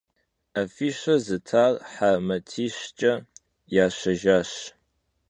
Afişe zıtar he matişç'e yaşejjaş.